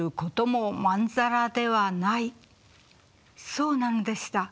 そうなんでした。